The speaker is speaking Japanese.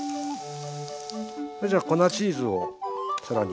それじゃ粉チーズを更に。